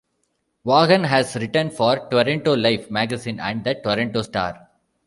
Vaughan has written for "Toronto Life" magazine and the "Toronto Star".